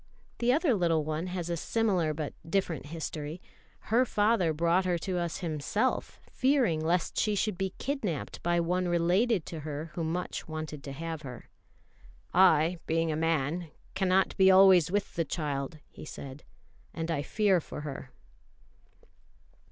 The other little one has a similar but different history. Her father brought her to us himself, fearing lest she should be kidnapped by one related to her who much wanted to have her. "I, being a man, cannot be always with the child," he said, "and I fear for her."